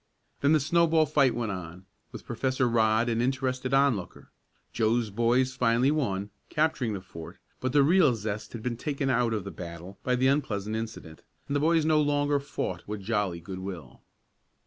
Then the snow ball fight went on, with Professor Rodd an interested onlooker. Joe's boys finally won, capturing the fort; but the real zest had been taken out of the battle by the unpleasant incident, and the boys no longer fought with jolly good will.